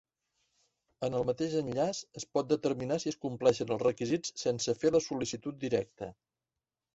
En el mateix enllaç es pot determinar si es compleixen els requisits sense fer la sol·licitud directa.